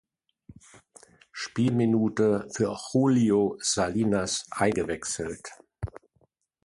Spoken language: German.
Spielminute für Julio Salinas eingewechselt.